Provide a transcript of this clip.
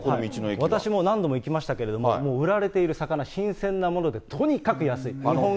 私も何度も行きましたけれども、もう売られている魚、新鮮なものでとにかく安い。